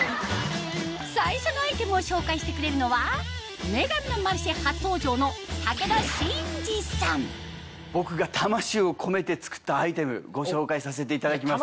最初のアイテムを紹介してくれるのは僕が魂を込めて作ったアイテムご紹介させていただきます。